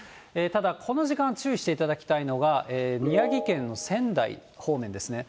ただ、この時間注意していただきたいのが、宮城県の仙台方面ですね。